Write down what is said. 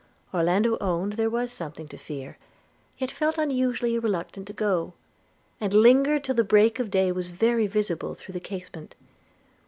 Orlando owned there was something to fear, yet felt unusually reluctant to go, and lingered till the break of day was very visible through the casement.